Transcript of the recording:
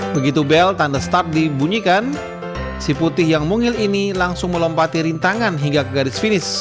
begitu bel tanda start dibunyikan si putih yang mungil ini langsung melompati rintangan hingga ke garis finish